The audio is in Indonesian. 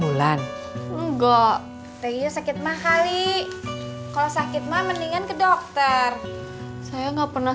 enggak sakit mah kali kalau sakit mah mendingan ke dokter saya enggak pernah